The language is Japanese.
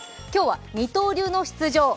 今日は二刀流の出場。